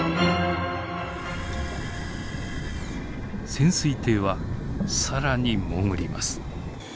潜水艇は更に潜ります。